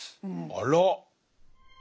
あら！